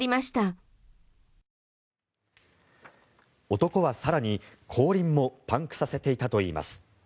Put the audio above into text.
男は更に後輪もパンクさせていたといいます。